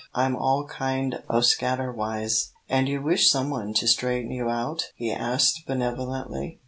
I'm all kind o' scatter wise." "And you wish some one to straighten you out?" he asked, benevolently.